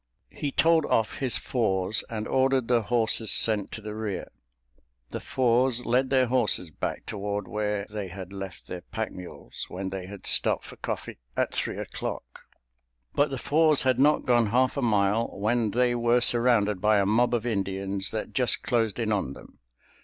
He told off his fours and ordered the horses sent to the rear. The fours led their horses back toward where they had left their packmules when they had stopped for coffee at three o'clock. But the fours had not gone half a mile when they were surrounded by a mob of Indians that just closed in on them.